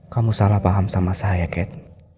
kamu salah paham sama saya kat